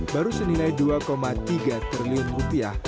baru senilai dua tiga triliun rupiah